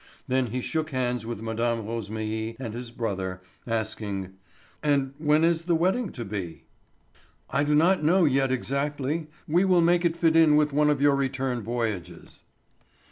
Then he shook hands with Mme. Rosémilly and his brother, asking: "And when is the wedding to be?" "I do not know yet exactly. We will make it fit in with one of your return voyages."